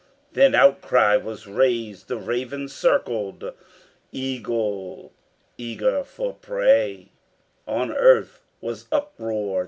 Then outcry was raised, the ravens circled, Eagle eager for prey; on earth was uproar.